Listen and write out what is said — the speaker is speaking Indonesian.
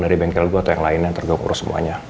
dari bengkel gue atau yang lainnya ntar gue urus semuanya